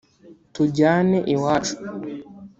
‘Tujyane iwacu’